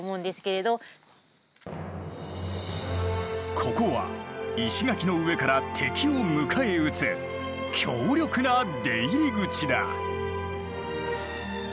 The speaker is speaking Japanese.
ここは石垣の上から敵を迎え撃つ強力な出入り口だ。